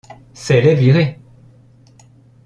C’est les virer !